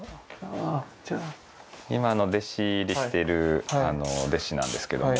今の弟子入りしてる弟子なんですけども。